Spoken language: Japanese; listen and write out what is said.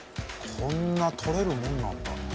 こんなとれるもんなんだな。